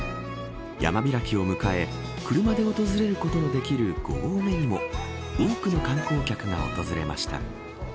山開きを迎え車で訪れることのできる５合目にも多くの観光客が訪れました。